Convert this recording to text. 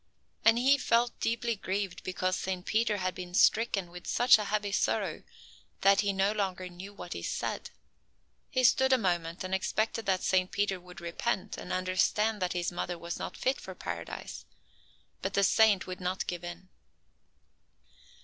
And He felt deeply grieved because Saint Peter had been stricken with such a heavy sorrow that he no longer knew what he said. He stood a moment and expected that Saint Peter would repent, and understand that his mother was not fit for Paradise. But the Saint would not give in.